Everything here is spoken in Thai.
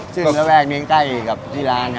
ซึ่งแม่งใกล้กับที่ร้าน